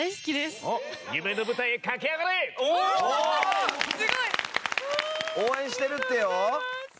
すごい！応援してるってよ。